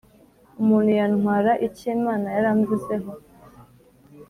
Umuntu yantwara ikiimana yaramvuzeho